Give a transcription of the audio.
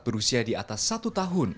berusia di atas satu tahun